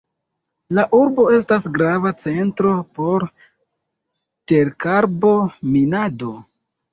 La urbo estas grava centro por terkarbo-minado.